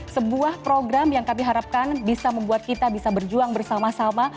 sebuah program yang kami harapkan bisa membuat kita bisa berjuang bersama sama